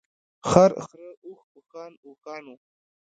خر، خره، اوښ ، اوښان ، اوښانو .